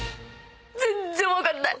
全然分かんない。